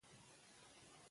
خوب یې واوره.